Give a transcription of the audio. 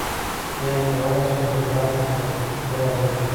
یا یې کولای شوای په دعا کې پر تفکیک اعتراض وکړي.